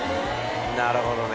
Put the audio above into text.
なるほどね。